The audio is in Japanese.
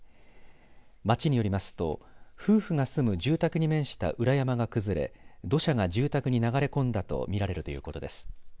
町によりますと夫婦が住む住宅に面した裏山が崩れ土砂が住宅に流れ込んだと見られるということです。